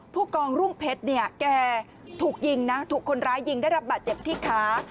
ผู้กองรุ่งเพชรถูกยิงถูกคนร้ายยิงได้รับบาดเจ็บที่ค้า